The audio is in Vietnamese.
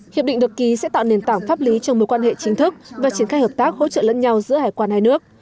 hiệp định được ký sẽ tạo nền tảng pháp lý trong mối quan hệ chính thức và triển khai hợp tác hỗ trợ lẫn nhau giữa hải quan hai nước